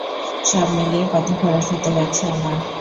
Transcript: সব মিলিয়ে কত খরচ হতে যাচ্ছে আমার?